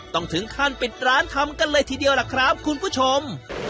ต้องถึงขั้นปิดร้านทำกันเลยทีเดียวล่ะครับคุณผู้ชม